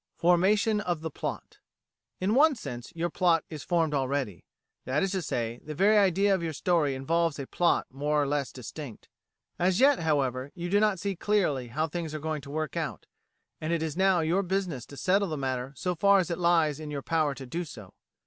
Formation of the Plot In one sense your plot is formed already that is to say, the very idea of your story involves a plot more or less distinct. As yet, however, you do not see clearly how things are going to work out, and it is now your business to settle the matter so far as it lies in your power to do so.